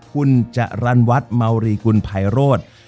ขุนจรรวรรษมคุณพัยรถ